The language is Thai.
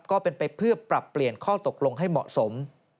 ก็เป็นไปเพื่อปรับเปลี่ยนข้อตกลงให้เหมาะสม